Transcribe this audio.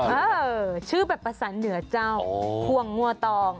เออชื่อแบบภาษาเหนือเจ้าพวงมัวตอง